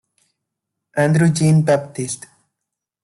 Andrew Jean-Baptiste